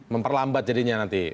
memperlambat jadinya nanti